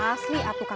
asli aku kan dadang